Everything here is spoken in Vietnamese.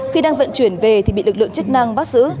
khi đang vận chuyển về thì bị lực lượng chức năng bắt giữ